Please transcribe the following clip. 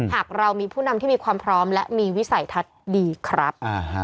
หากเรามีผู้นำที่มีความพร้อมและมีวิสัยทัศน์ดีครับ